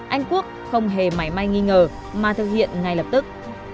anh quốc không hề mãi mãi nghi ngờ mà thực hiện ngay lập tức